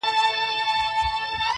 د خټین او د واورین سړک پر غاړه!!!